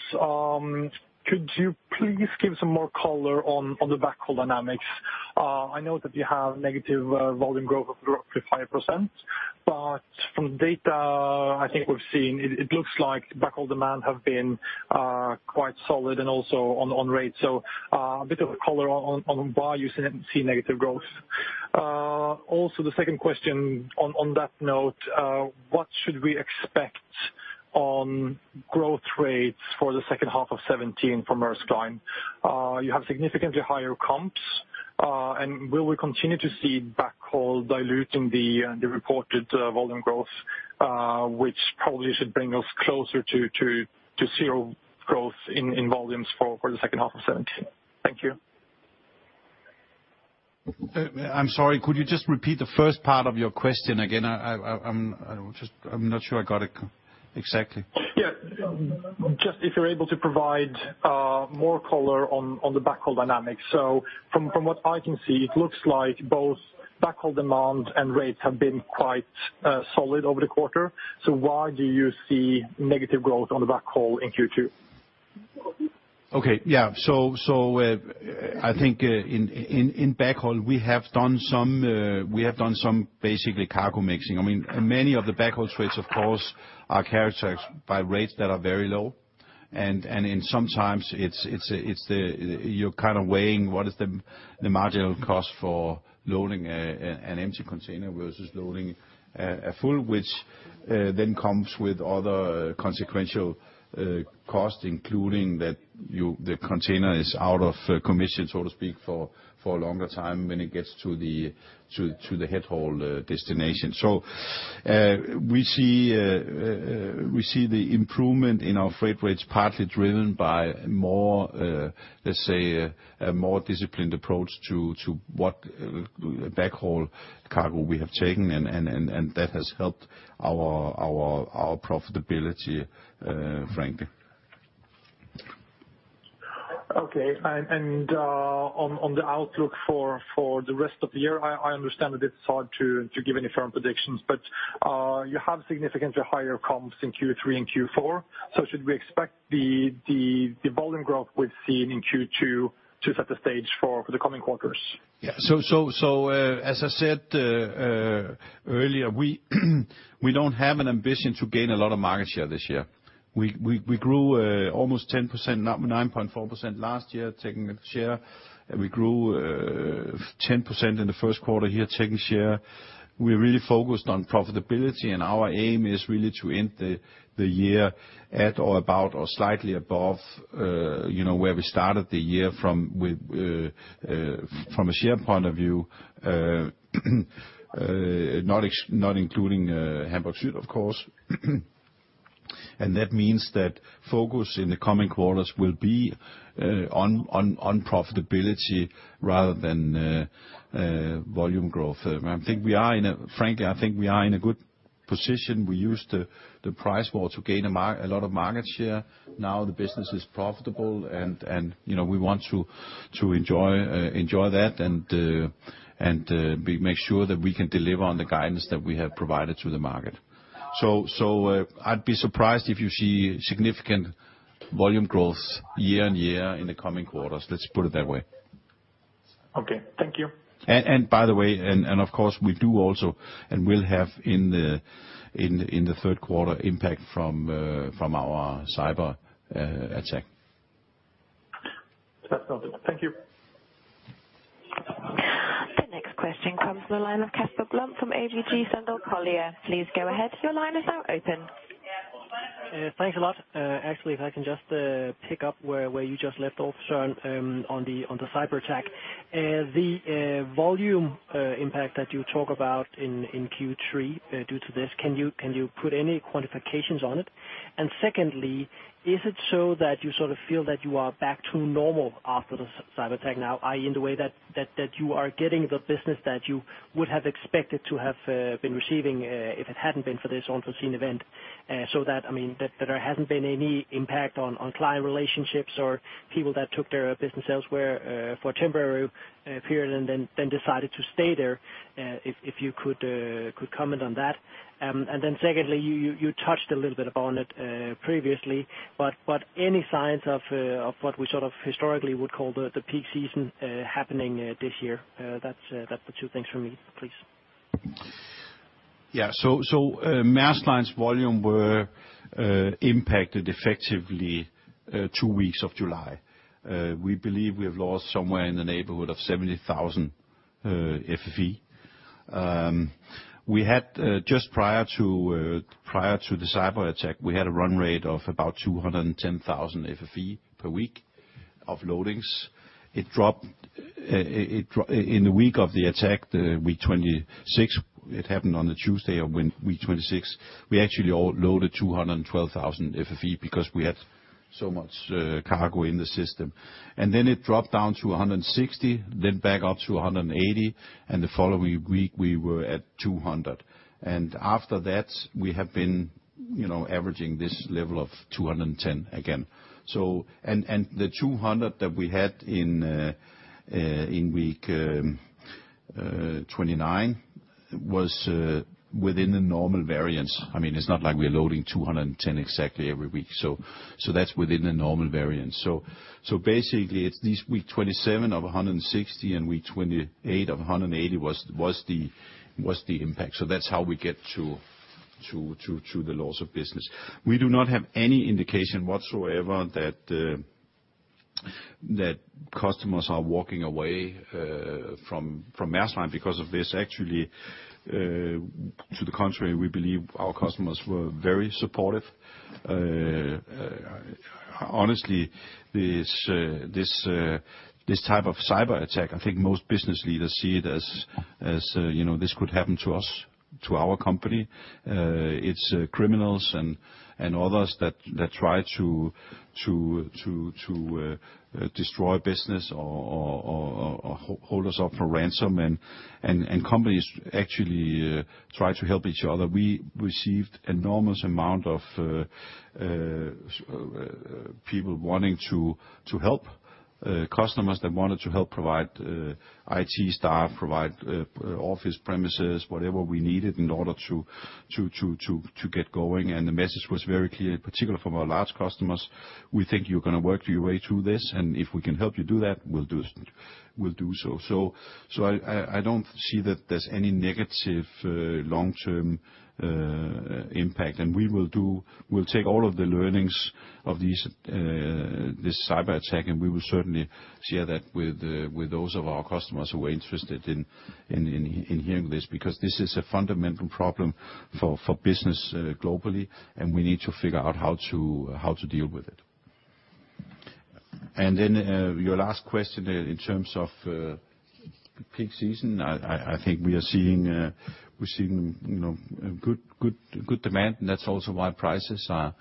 Could you please give some more color on the backhaul dynamics? I know that you have negative volume growth of roughly 5%, but from data, I think we've seen it. It looks like backhaul demand have been quite solid and also on rates. A bit of color on why you see negative growth. Also the second question on that note, what should we expect on growth rates for the second half of 2017 from Maersk Line? You have significantly higher comps, and will we continue to see backhaul diluting the reported volume growth, which probably should bring us closer to zero growth in volumes for the second half of 2017? Thank you. I'm sorry. Could you just repeat the first part of your question again? I'm just not sure I got it exactly. Yeah. Just if you're able to provide more color on the backhaul dynamics. From what I can see, it looks like both backhaul demand and rates have been quite solid over the quarter. Why do you see negative growth on the backhaul in Q2? I think in backhaul we have done some basically cargo mixing. I mean, many of the backhaul trades, of course, are characterized by rates that are very low. Sometimes it's you're kind of weighing what is the marginal cost for loading an empty container versus loading a full, which then comes with other consequential costs, including that the container is out of commission, so to speak, for a longer time when it gets to the headhaul destination. We see the improvement in our freight rates partly driven by more, let's say, a more disciplined approach to what backhaul cargo we have taken and that has helped our profitability, frankly. Okay. On the outlook for the rest of the year, I understand that it's hard to give any firm predictions, but you have significantly higher comps in Q3 and Q4. Should we expect the volume growth we've seen in Q2 to set the stage for the coming quarters? As I said earlier, we don't have an ambition to gain a lot of market share this year. We grew almost 10%, 9.4% last year, technical share. We grew 10% in the first quarter here, technical share. We're really focused on profitability, and our aim is really to end the year at or about or slightly above, you know, where we started the year from with from a share point of view, not including Hamburg Süd, of course. That means that focus in the coming quarters will be on profitability rather than volume growth. Frankly, I think we are in a good position. We use the price war to gain a lot of market share. Now the business is profitable and, you know, we want to enjoy that and we make sure that we can deliver on the guidance that we have provided to the market. I'd be surprised if you see significant volume growth year-on-year in the coming quarters. Let's put it that way. Okay. Thank you. By the way, of course, we do also and will have in the third quarter impact from our cyberattack. That's noted. Thank you. The next question comes from the line of Casper Blom from ABG Sundal Collier. Please go ahead. Your line is now open. Thanks a lot. Actually, if I can just pick up where you just left off, Søren, on the cyberattack. The volume impact that you talk about in Q3 due to this, can you put any quantifications on it? Secondly, is it so that you sort of feel that you are back to normal after the cyberattack now, i.e., in the way that you are getting the business that you would have expected to have been receiving if it hadn't been for this unforeseen event? That, I mean, there hasn't been any impact on client relationships or people that took their business elsewhere for a temporary period and then decided to stay there, if you could comment on that. Then secondly, you touched a little bit upon it previously, but any signs of what we sort of historically would call the peak season happening this year? That's the two things for me, please. Yeah. Maersk Line's volume were impacted effectively two weeks of July. We believe we have lost somewhere in the neighborhood of 70,000 FFE. We had just prior to the cyberattack a run rate of about 210,000 FFE per week of loadings. In the week of the attack, week 26, it happened on a Tuesday of week 26. We actually loaded 212,000 FFE because we had so much cargo in the system. Then it dropped down to 160,000, then back up to 180,000, and the following week, we were at 200,000. After that, we have been, you know, averaging this level of 210,000 again. The 200,000 that we had in week 29 was within the normal variance. I mean, it's not like we're loading 210,000 exactly every week. That's within the normal variance. Basically, it's this week 27 of 160,000 and week 28 of 180,000 was the impact. That's how we get to the loss of business. We do not have any indication whatsoever that customers are walking away from Maersk Line because of this. Actually, to the contrary, we believe our customers were very supportive. Honestly, this type of cyberattack, I think most business leaders see it as you know, this could happen to us, to our company. It's criminals and others that try to destroy business or hold us up for ransom and companies actually try to help each other. We received enormous amount of people wanting to help, customers that wanted to help provide IT staff, provide office premises, whatever we needed in order to get going. The message was very clear, particularly from our large customers, "We think you're gonna work your way through this, and if we can help you do that, we'll do so." I don't see that there's any negative long-term impact. We will do, we'll take all of the learnings of this cyberattack, and we will certainly share that with those of our customers who are interested in hearing this. Because this is a fundamental problem for business globally, and we need to figure out how to deal with it. Your last question in terms of peak season, I think we're seeing, you know, a good demand, and that's also why prices are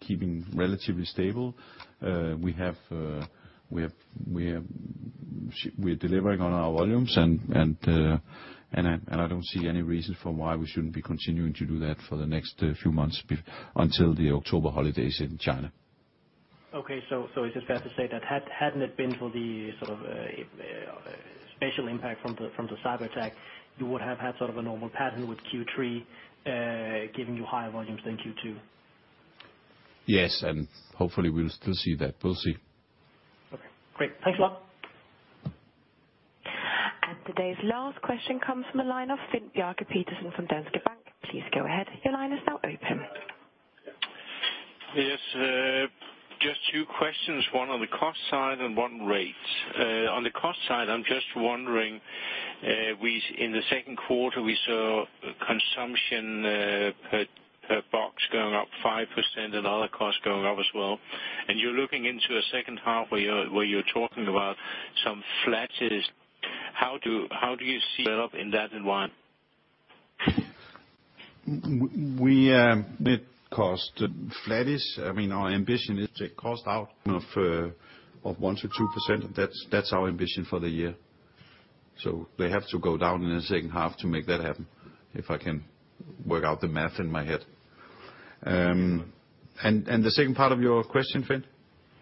keeping relatively stable. We're delivering on our volumes and I don't see any reason for why we shouldn't be continuing to do that for the next few months until the October holidays in China. Is it fair to say that hadn't it been for the sort of special impact from the cyberattack, you would have had sort of a normal pattern with Q3 giving you higher volumes than Q2? Yes. Hopefully we'll still see that. We'll see. Okay, great. Thanks a lot. Today's last question comes from the line of Finn Bjarke Petersen from Danske Bank. Please go ahead. Your line is now open. Yes. Just two questions, one on the cost side and one on rates. On the cost side, I'm just wondering, in the second quarter, we saw consumption per box going up 5% and other costs going up as well. You're looking into a second half where you're talking about some flattish. How do you see it panning out in that one? We, net costs flattish. I mean, our ambition is to cost out, you know, 1%-2%. That's our ambition for the year. They have to go down in the second half to make that happen, if I can work out the math in my head. The second part of your question, Finn?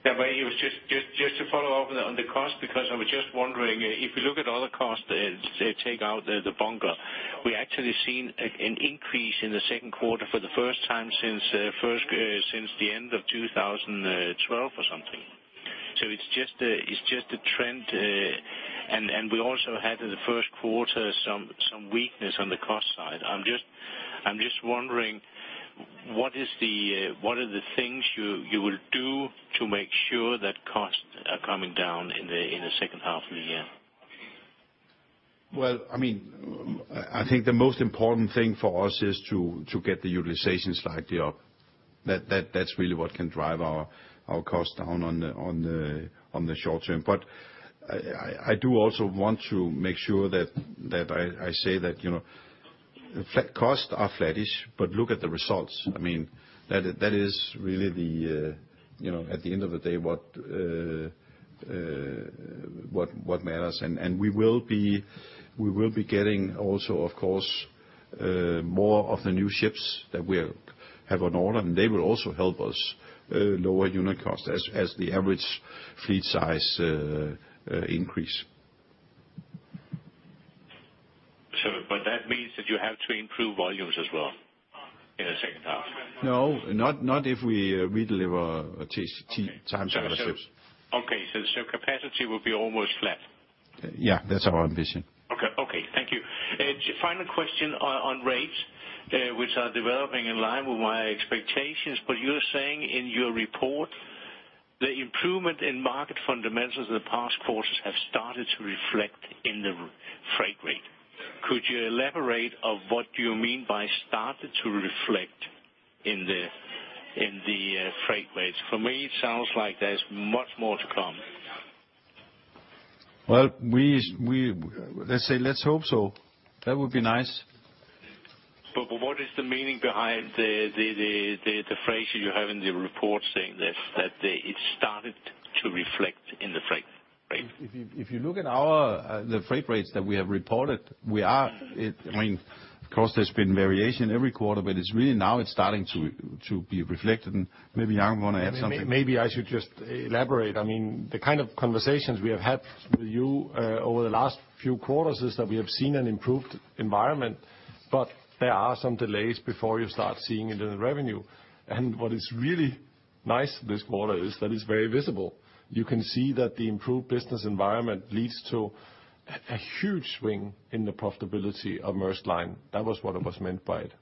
It was just to follow up on the cost, because I was just wondering if you look at all the costs and take out the bunker. We actually seen an increase in the second quarter for the first time since the end of 2012 or something. It's just a trend, and we also had in the first quarter some weakness on the cost side. I'm just wondering what are the things you will do to make sure that costs are coming down in the second half of the year? Well, I mean, I think the most important thing for us is to get the utilization slightly up. That's really what can drive our costs down on the short term. I do also want to make sure that I say that, you know, costs are flattish, but look at the results. I mean, that is really, you know, at the end of the day, what matters. We will be getting also, of course, more of the new ships that we have on order, and they will also help us lower unit costs as the average fleet size increase. So, that means that you have to improve volumes as well in the second half? No, not if we deliver a TCT time charter ships. Okay, so capacity will be almost flat? Yeah. That's our ambition. Okay. Thank you. Final question on rates, which are developing in line with my expectations, but you're saying in your report the improvement in market fundamentals in the past quarters have started to reflect in the freight rate. Could you elaborate on what you mean by started to reflect in the freight rates? For me, it sounds like there's much more to come. Well, let's hope so. That would be nice. What is the meaning behind the phrase that you have in the report saying that it started to reflect in the freight rate? If you look at our freight rates that we have reported, I mean, of course, there's been variation every quarter, but it's really, now it's starting to be reflected, and maybe Jakob want to add something? Maybe I should just elaborate. I mean, the kind of conversations we have had with you over the last few quarters is that we have seen an improved environment, but there are some delays before you start seeing it in revenue. What is really nice this quarter is that it's very visible. You can see that the improved business environment leads to a huge swing in the profitability of Maersk Line. That was what it was meant by it.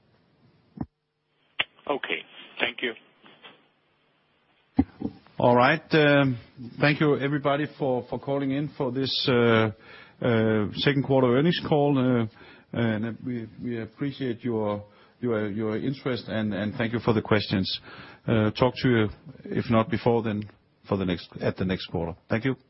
Okay. Thank you. All right. Thank you, everybody, for calling in for this second quarter earnings call. We appreciate your interest and thank you for the questions. Talk to you, if not before then, for the next, at the next quarter. Thank you.